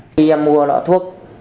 khi em mua lọ thuốc